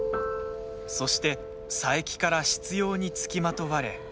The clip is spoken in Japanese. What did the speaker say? そして、佐伯から執ようにつきまとわれ。